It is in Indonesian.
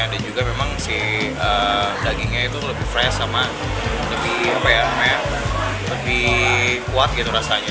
dan juga memang si dagingnya itu lebih fresh sama lebih kuat rasanya